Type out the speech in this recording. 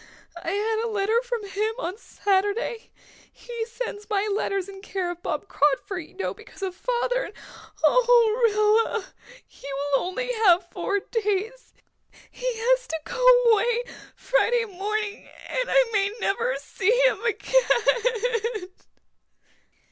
I had a letter from him on Saturday he sends my letters in care of Bob Crawford, you know, because of father and, oh, Rilla, he will only have four days he has to go away Friday morning and I may never see him again."